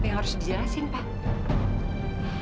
yang harus dijelasin pak